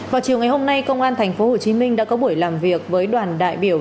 vào chiều ngày hôm nay công an tp hcm đã có buổi làm việc với đoàn đại biểu